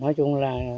nói chung là